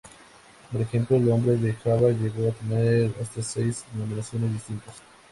Por ejemplo, el hombre de Java llegó a tener hasta seis denominaciones distintas.